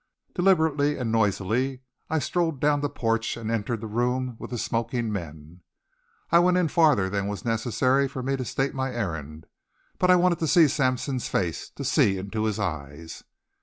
Deliberately and noisily I strode down the porch and entered the room with the smoking men. I went in farther than was necessary for me to state my errand. But I wanted to see Sampson's face, to see into his eyes.